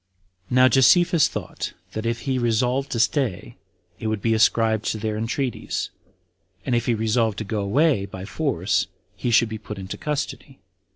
17. Now Josephus thought, that if he resolved to stay, it would be ascribed to their entreaties; and if he resolved to go away by force, he should be put into custody.